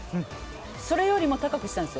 それより高くしたんです。